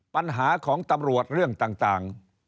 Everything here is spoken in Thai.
ปัญหาของตำรวจเรื่องต่าง